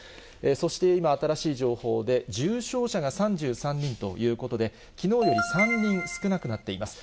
そして、今、新しい情報で、重症者が３３人ということで、きのうより３人少なくなっています。